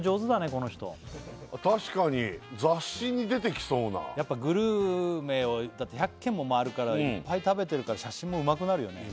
この人確かにやっぱグルメをだって１００軒も回るからいっぱい食べてるから写真もうまくなるよね